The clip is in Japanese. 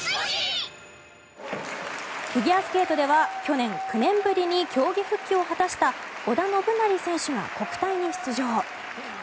フィギュアスケートでは去年、９年ぶりに競技復帰を果たした織田信成選手が国体に出場。